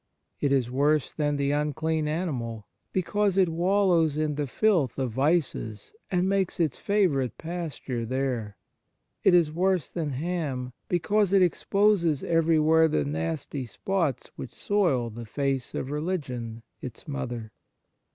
It is worse than the unclean animal, because it wallows in the filth of vices and makes its favourite pasture there. It is worse than Cham, because it exposes everywhere the nasty spots w r hich soil the face of religion its mother."